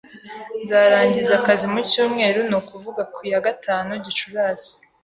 Nzarangiza akazi mu cyumweru, ni ukuvuga ku ya gatanu Gicurasi.